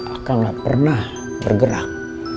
akang gak pernah bergerak